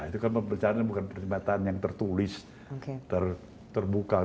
itu kan pernyataan yang tertulis terbuka